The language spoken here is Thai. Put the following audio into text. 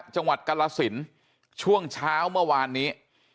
จังหวัดกรสินช่วงเช้าเมื่อวานนี้